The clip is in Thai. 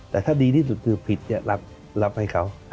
แต่ถ้าดีที่สุดคือผิดรับให้เขา